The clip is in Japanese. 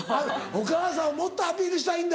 お母さんはもっとアピールしたいんだ。